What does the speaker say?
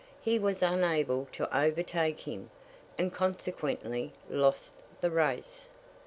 He was unable to overtake him, and consequently lost the race.